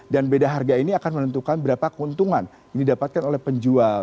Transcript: dan beda harga ini akan menentukan berapa keuntungan yang didapatkan oleh penjual